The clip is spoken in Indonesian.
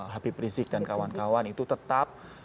habib rizik dan kawan kawan itu tetap